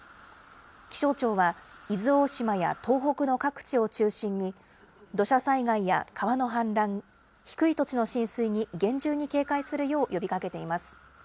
気象庁は伊豆大島や東北の各地を中心に、土砂災害や川の氾濫、低い土地の浸水に厳重に警戒するよう呼びかけています。